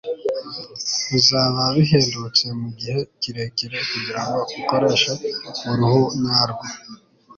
bizaba bihendutse mugihe kirekire kugirango ukoreshe uruhu nyarwo